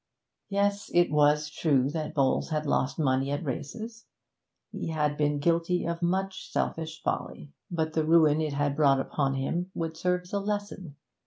Yes, it was true that Bowles had lost money at races; he had been guilty of much selfish folly; but the ruin it had brought upon him would serve as a lesson.